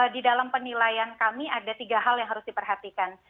di dalam penilaian kami ada tiga hal yang harus diperhatikan